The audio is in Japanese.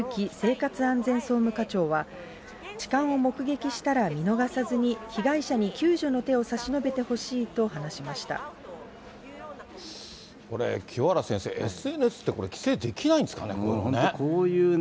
警視庁の総崎ゆき生活安全総務課長は、痴漢を目撃したら見逃さずに被害者に救助の手を差し伸べてほしいこれ、清原先生、ＳＮＳってこれ、規制できないんですかね、こういうのね。